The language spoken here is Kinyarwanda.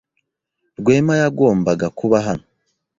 Rwema yagombaga kuba hano.